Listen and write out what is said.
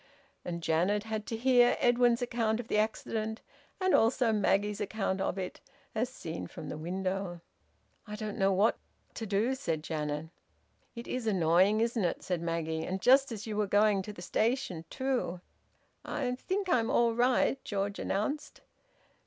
And Janet had to hear Edwin's account of the accident, and also Maggie's account of it, as seen from the window. "I don't know what to do!" said Janet. "It is annoying, isn't it?" said Maggie. "And just as you were going to the station too!" "I I think I'm all right," George announced.